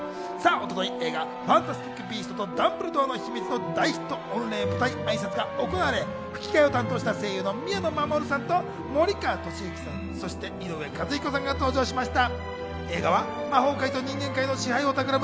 一昨日、映画『ファンタスティック・ビーストとダンブルドアの秘密』の大ヒット御礼舞台挨拶が行われ、吹き替えを担当した声優の宮野真守さんと森川智之さん、井上和彦さんが登場しました。